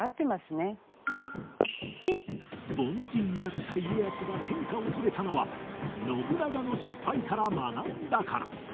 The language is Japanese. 凡人だった家康が天下を取れたのは信長の失敗から学んだから